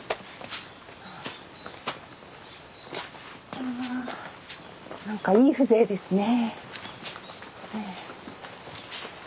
あ何かいい風情ですね。